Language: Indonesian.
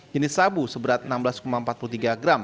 jenis sabu seberat enam belas empat puluh tiga gram